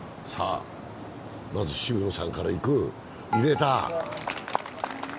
まず、渋野さんからいく、入れた。